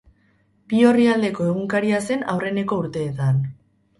Bi orrialdeko egunkaria zen aurreneko urteetan.